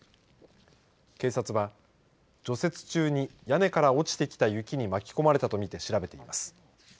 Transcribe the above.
警察は、除雪中に屋根から落ちてきた雪に巻き込まれたと見て調べています。